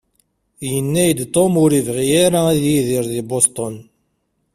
Yenna-iyi-d Tom ur yebɣi ara ad yidir deg Boston.